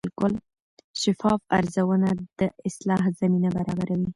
شفاف ارزونه د اصلاح زمینه برابروي.